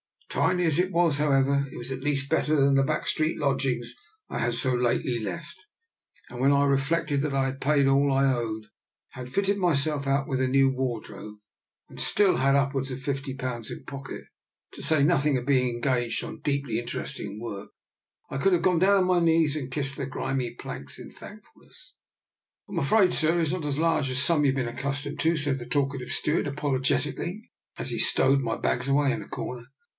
Tiny as it was, however, it was at least better than the back street lodgings I had so lately left; and when I reflected that I had paid all I owed, had fitted myself out with a new ward robe, and had still upwards of fifty pounds in pocket, to say nothing of being engaged on deeply interesting work, I could have gone down on my knees and kissed the grimy planks in thankfulness. " Fm afraid, sir, it's not as large as some you've been accustomed to," said the talka tive steward, apologetically, as he stowed my bags away in a corner.